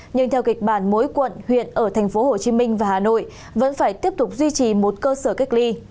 nhưng theo kịch bản mỗi quận huyện ở tp hcm và hà nội vẫn phải tiếp tục duy trì một cơ sở cách ly